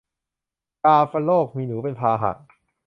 กาฬโรค มีหนูเป็นพาหะ